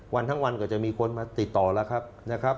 วันทั้งวันก็จะมีคนมาติดต่อละครับ